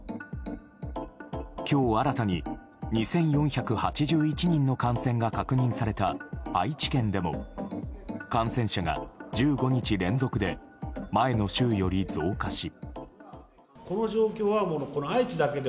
今日新たに２４８１人の感染が確認された愛知県でも感染者が１５日連続で前の週より増加し。